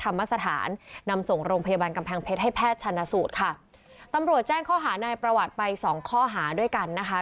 สถานนำส่งโรงพยาบาลกำแพงเพชรให้แพทย์ชันสูตรค่ะตำรวจแจ้งข้อหานายประวัติไปสองข้อหาด้วยกันนะคะ